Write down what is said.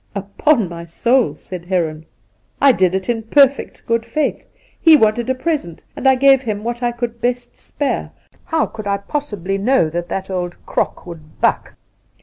' Upon my soul,' said Heron, ' I did it in perfect good faith. He wanted a present, and I gave him what I could best spare. How could I possibly know that that old crock would buck